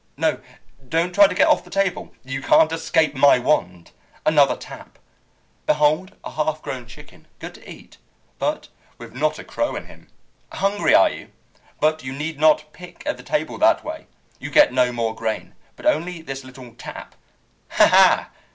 No, don't try to get off the table. You can't escape my wand. Another tap. Behold a half grown chicken, good to eat, but with not a crow in him. Hungry, are you? But you need not pick at the table that way. You get no more grain, but only this little tap. Ha, ha!